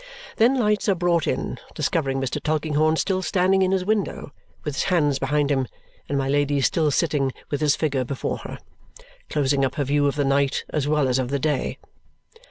Then lights are brought in, discovering Mr. Tulkinghorn still standing in his window with his hands behind him and my Lady still sitting with his figure before her, closing up her view of the night as well as of the day.